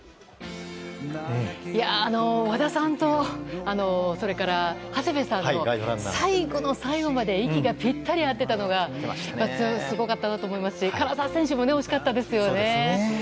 和田さんとそれから長谷部さんとの最後の最後まで息がぴったり合ってたのがすごかったなと思いますし唐澤選手も惜しかったですよね。